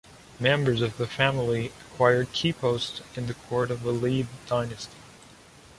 Members of the family acquired key posts in the court of the Lý dynasty.